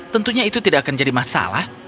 tentunya itu tidak akan jadi masalah